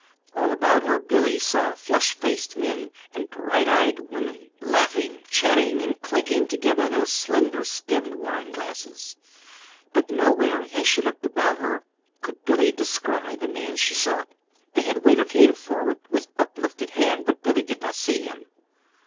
All about her Billy saw flushed faced men, and bright eyed women, laughing, chatting, and clinking together their slender stemmed wine glasses. But nowhere, as she looked about her, could Billy descry the man she sought. The head waiter came forward with uplifted hand, but Billy did not see him.